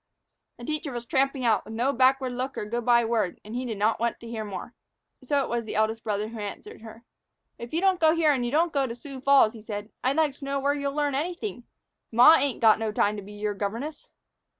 The teacher was tramping out, with no backward look or good by word, and he did not wait to hear more. So it was the eldest brother who answered her. "If you don't go here and you don't go to Sioux Falls," he said, "I'd like to know where you'll learn anything. Ma ain't got no time to be your governess."